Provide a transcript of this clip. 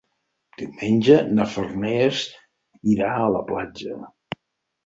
Diumenge na Farners irà a la platja.